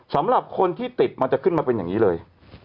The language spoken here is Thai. สำหรับคนที่ติดมันจะขึ้นมาเป็นอย่างนี้เลย